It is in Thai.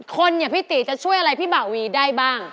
คนอย่างพี่ตีจะช่วยอะไรพี่บ่าวีได้บ้าง